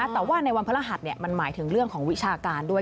แต่ว่าในวันพระรหัสมันหมายถึงเรื่องของวิชาการด้วย